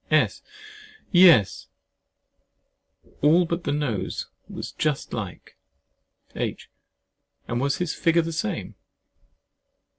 S. Yes, all but the nose was just like. H. And was his figure the same?